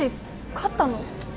勝ったの？